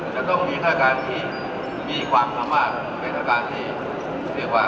จะต้องมีฆาตการณ์ที่มีความสามารถเป็นอาการที่เรียกว่า